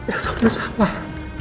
elsa udah salah